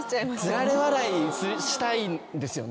釣られ笑いしたいんですよね